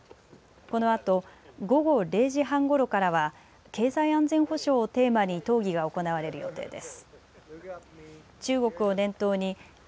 このあと午後０時半ごろからは経済安全保障をテーマに討議が行われる予定です。